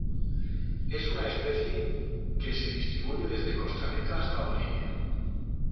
Es una especie que se distribuye desde Costa Rica hasta Bolivia.